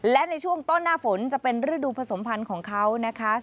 และในช่วงต้นหน้าฝนจะเป็นฤดูผสมพันธ์ของเขานะคะ